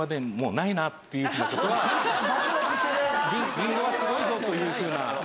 りんごはすごいぞというふうな。